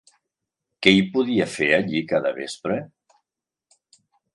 Què hi podia fer allí cada vespre?